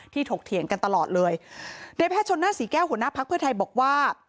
ถกเถียงกันตลอดเลยโดยแพทย์ชนหน้าศรีแก้วหัวหน้าพักเพื่อไทยบอกว่า